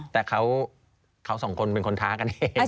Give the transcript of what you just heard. แต่เขาสองคนเป็นคนท้ากันเอง